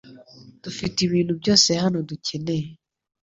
Dufite ibintu byose hano dukeneye.